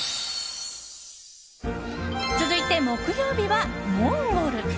続いて、木曜日はモンゴル。